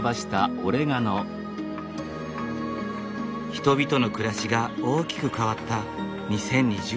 人々の暮らしが大きく変わった２０２０年。